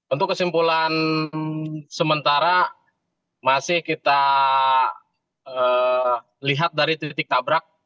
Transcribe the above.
untuk kesimpulan sementara masih kita lihat dari titik tabrak